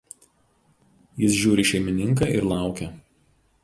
jis žiūri į šeimininką ir laukia